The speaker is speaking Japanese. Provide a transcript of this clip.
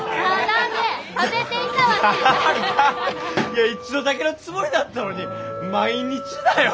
いや一度だけのつもりだったのに毎日だよ！